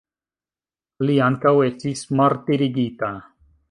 Li ankaŭ estis martirigita.